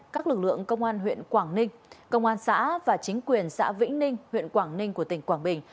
các lực lượng công an huyện quảng ninh công an xã và chính quyền xã vĩnh ninh huyện quảng ninh của tỉnh quảng bình